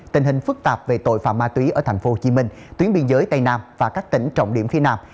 tình hình phức tạp về tội phạm ma túy ở tp hcm tuyến biên giới tây nam và các tỉnh trọng điểm phía nam